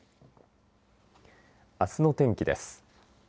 あすの天気です。